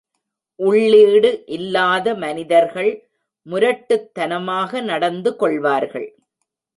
உள்ளீடு இல்லாத மனிதர்கள் முரட்டுத் தனமாக நடந்துகொள்வார்கள்.